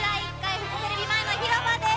フジテレビ前の広場です。